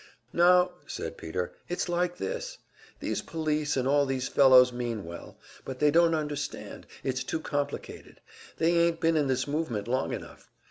"Now," said Peter, "it's like this. These police and all these fellows mean well, but they don't understand; it's too complicated, they ain't been in this movement long enough.